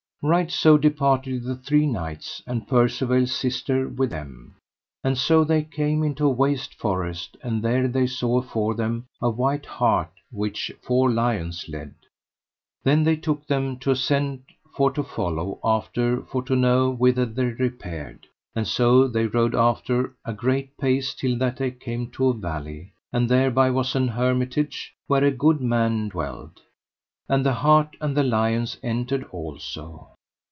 Right so departed the three knights, and Percivale's sister with them. And so they came into a waste forest, and there they saw afore them a white hart which four lions led. Then they took them to assent for to follow after for to know whither they repaired; and so they rode after a great pace till that they came to a valley, and thereby was an hermitage where a good man dwelled, and the hart and the lions entered also.